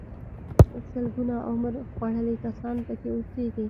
سلګونه عمر خوړلي کسان پکې اوسيږي.